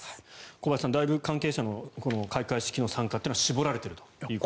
小林さん、だいぶ関係者の開会式の参加というのは絞られているということですね。